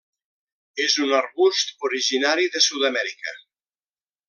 És un arbust originari de Sud-amèrica.